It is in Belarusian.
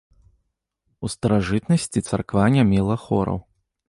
У старажытнасці царква не мела хораў.